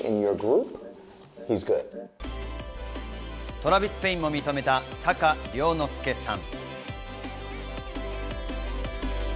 トラヴィス・ペインも認めた坂怜之介さん。